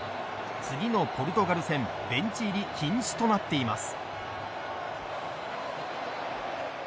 次のポルトガル戦ベンチ入り禁止となっています。